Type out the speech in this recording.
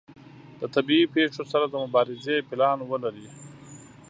د طبیعي پیښو سره د مبارزې پلان ولري.